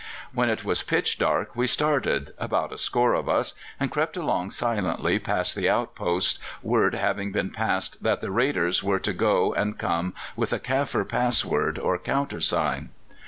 When it was pitch dark we started about a score of us and crept along silently past the outposts, word having been passed that the raiders were to go and come with a Kaffir password or countersign.